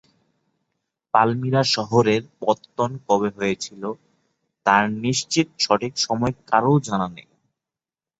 পালমিরা শহরের পত্তন কবে হয়েছিল, তার নিশ্চিত সঠিক সময় কারও জানা নেই।